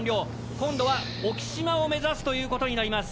今度は沖島を目指すということになります。